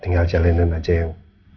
tinggal jalanin aja yang